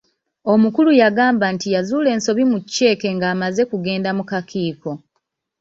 Omukulu yagamba nti yazuula ensobi mu cceeke ng'amaze kugenda mu kakiiko.